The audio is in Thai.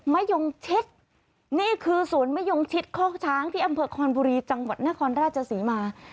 มะยงชิดนี่คือสวนมะยงชิดคอกช้างที่อำเภอคอนบุรีจังหวัดนครราชศรีมา